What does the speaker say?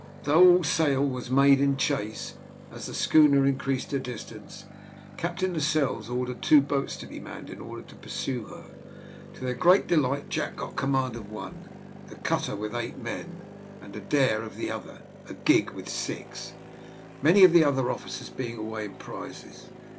Though all sail was made in chase, as the schooner increased her distance, Captain Lascelles ordered two boats to be manned in order to pursue her. To their great delight Jack got command of one, the cutter with eight men, and Adair of the other, a gig with six, many of the other officers being away in prizes.